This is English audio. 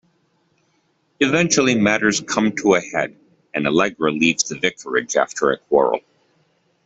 Eventually matters come to a head and Allegra leaves the vicarage after a quarrel.